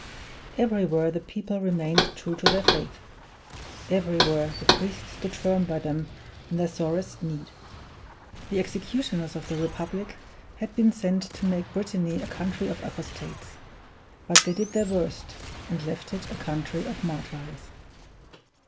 Everywhere the people remained true to their Faith; everywhere the priests stood firm by them in their sorest need. The executioners of the Republic had been sent to make Brittany a country of apostates; they did their worst, and left it a country of martyrs.